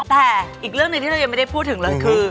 แต่อีกเรื่องหนึ่งที่เรายังไม่ได้พูดถึงเลยคือ